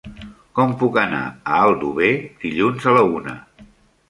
Com puc anar a Aldover dilluns a la una?